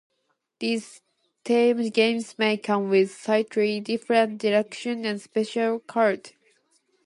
These theme games may come with slightly different directions and special cards.